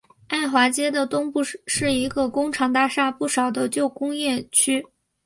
埃华街的东部是一个工厂大厦不少的旧工业区。